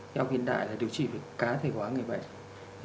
y học viện đại là điều trị cá thể quá người bệnh